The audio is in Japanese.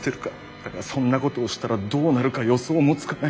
だがそんなことをしたらどうなるか予想もつかない。